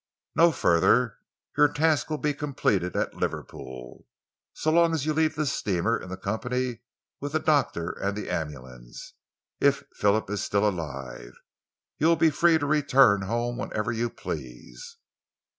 "No further. Your task will be completed at Liverpool. So long as you leave this steamer in company with the doctor and the ambulance, if Phillips is still alive, you will be free to return home whenever you please."